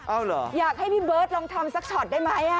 เอาเหรออยากให้พี่เบิร์ดลองทำสักช็อตได้ไหม